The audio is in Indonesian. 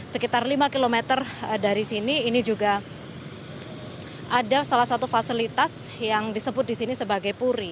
sekitar lima km dari sini ini juga ada salah satu fasilitas yang disebut di sini sebagai puri